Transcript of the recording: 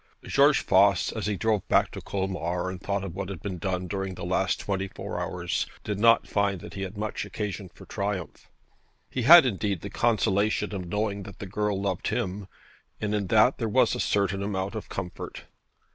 George Voss, as he drove back to Colmar and thought of what had been done during the last twenty four hours, did not find that he had much occasion for triumph. He had, indeed, the consolation of knowing that the girl loved him, and in that there was a certain amount of comfort.